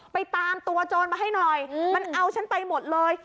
ไปตามตัวโจรมาให้หน่อยมันเอาฉันไปหมดเลย